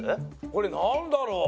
これなんだろう？